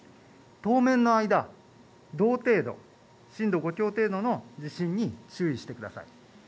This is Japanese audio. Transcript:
当面の間同程度、震度５強程度の地震に注意してください。